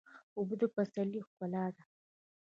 اوبه د پسرلي ښکلا ده.